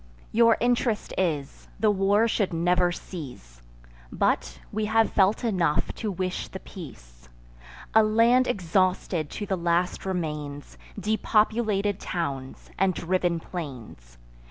Your interest is, the war should never cease; But we have felt enough to wish the peace: A land exhausted to the last remains, Depopulated towns, and driven plains.